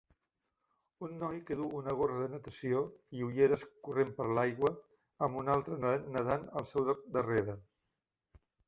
Un noi que duu una gorra de natació i ulleres corrent per l'aigua amb un altre nen nedant al seu darrere